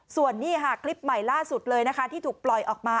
ส่วนนี้ค่ะคลิปใหม่ล่าสุดเลยนะคะที่ถูกปล่อยออกมา